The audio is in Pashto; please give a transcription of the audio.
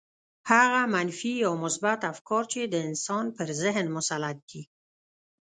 هغه منفي يا مثبت افکار چې د انسان پر ذهن مسلط دي.